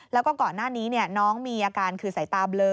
แล้วก็ก่อนหน้านี้น้องมีอาการคือสายตาเบลอ